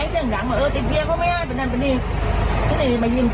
จัดกระบวนพร้อมกัน